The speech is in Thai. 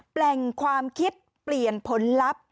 แหล่งความคิดเปลี่ยนผลลัพธ์